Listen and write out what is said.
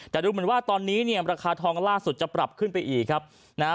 แต่ดูเหมือนว่าตอนนี้เนี่ยราคาทองล่าสุดจะปรับขึ้นไปอีกครับนะฮะ